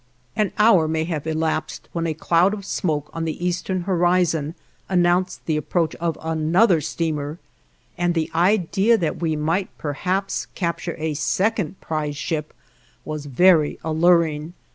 An hour may have elapsed when a cloud of smoke on the eastern horizon announced the approach of another steamer, and the idea that we might perhaps capture a second prize ship was very alluring.